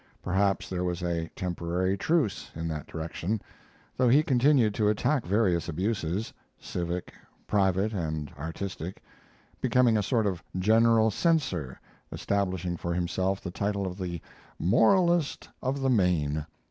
Perhaps there was a temporary truce in that direction, though he continued to attack various abuses civic, private, and artistic becoming a sort of general censor, establishing for himself the title of the "Moralist of the Main."